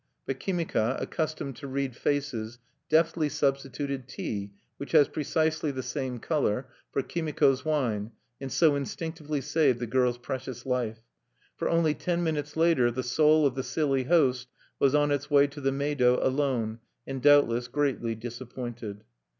But Kimika, accustomed to read faces, deftly substituted tea (which has precisely the same color) for Kimiko's wine, and so instinctively saved the girl's precious life, for only ten minutes later the soul of the silly host was on its way to the Meido alone, and doubtless greatly disappointed....